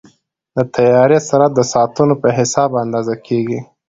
د طیارې سرعت د ساعتونو په حساب اندازه کېږي.